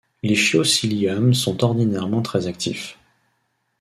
Les chiots Sealyham sont ordinairement très actifs.